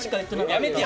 やめてや。